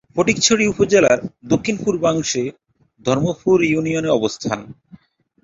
ফটিকছড়ি উপজেলার দক্ষিণ-পূর্বাংশে ধর্মপুর ইউনিয়নের অবস্থান।